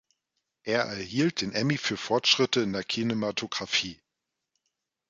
Er erhielt den Emmy für Fortschritte in der Kinematographie.